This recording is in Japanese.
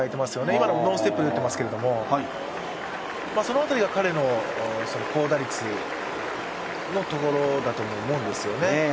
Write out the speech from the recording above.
今のノーステップで打ってますけどその辺りが彼の高打率のところだと思うんですよね。